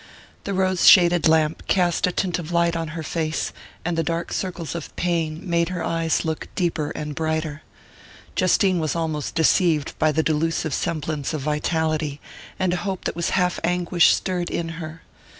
The rose shaded lamp cast a tint of life on her face, and the dark circles of pain made her eyes look deeper and brighter. Justine was almost deceived by the delusive semblance of vitality, and a hope that was half anguish stirred in her.